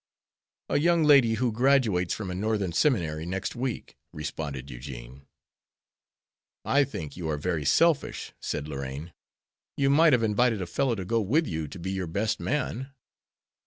"A young lady who graduates from a Northern seminary next week," responded Eugene. "I think you are very selfish," said Lorraine. "You might have invited a fellow to go with you to be your best man."